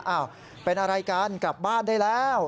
อ้าวเป็นอะไรกันกลับบ้านได้แล้ว